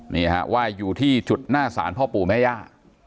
นี่ฮะไหว้อยู่ที่จุดหน้าศาลพ่อปู่แม่ย่า